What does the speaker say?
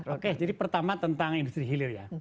oke jadi pertama tentang industri hilir ya